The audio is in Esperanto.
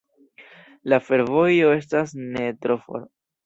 La fervojo estas ne tro for.